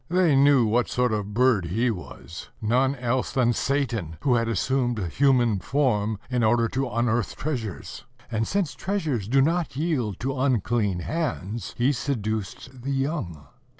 They knew what sort of a bird he was, none else than Satan, who had assumed human form in order to unearth treasures; and, since treasures do not yield to unclean hands, he seduced the young.